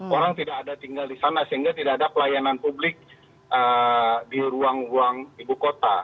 orang tidak ada tinggal di sana sehingga tidak ada pelayanan publik di ruang ruang ibu kota